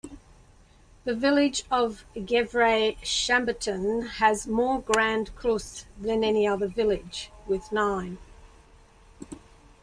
The village of Gevrey-Chambertin has more Grand Crus than any other village, with nine.